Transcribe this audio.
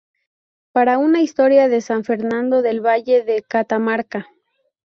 Para una historia de San Fernando del Valle de Catamarca.